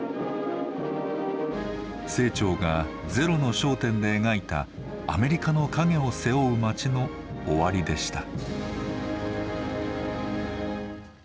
清張が「ゼロの焦点」で描いたアメリカの影を背負う町の終わりでした。